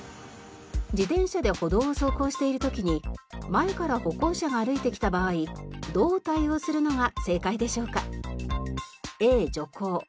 自転車で歩道を走行している時に前から歩行者が歩いて来た場合どう対応するのが正解でしょうか？